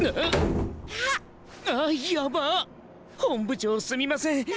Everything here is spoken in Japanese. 本部長すみません。